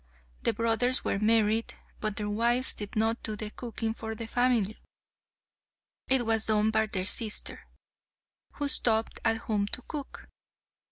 The brothers were married, but their wives did not do the cooking for the family. It was done by their sister, who stopped at home to cook.